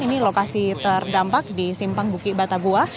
ini lokasi terdampak di simpang buki batabuah